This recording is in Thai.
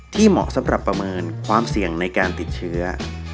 เหมาะสำหรับประเมินความเสี่ยงในการติดเชื้อ